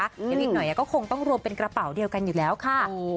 เดี๋ยวอีกหน่อยก็คงต้องรวมเป็นกระเป๋าเดียวกันอยู่แล้วค่ะ